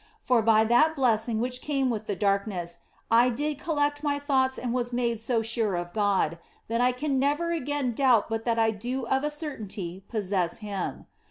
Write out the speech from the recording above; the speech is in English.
For by that blessing which came with the darkness I did collect my thoughts and was made so sure of God that I can never again doubt but that I do of a certainty possess Him.